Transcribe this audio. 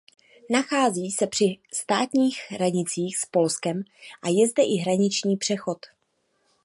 Nachází se při státní hranici s Polskem a je zde i hraniční přechod.